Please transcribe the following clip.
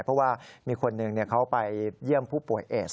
เพราะว่ามีคนหนึ่งเขาไปเยี่ยมผู้ป่วยเอส